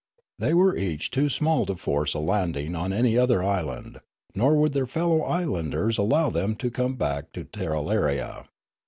They were each too small to force a landing on any other island ; nor would their fellow islanders allow them to come back to Tirralaria.